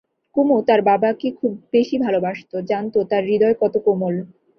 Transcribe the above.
কুমু তার বাবাকে খুব বেশি ভালোবাসত, জানত তাঁর হৃদয় কত কোমল।